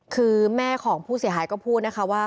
คือแม่ของผู้เสียหายก็พูดนะคะว่า